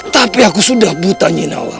tapi aku sudah buta nyinawa